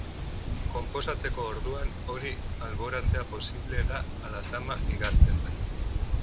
Konposatzeko orduan hori alboratzea posible da ala zama igartzen da?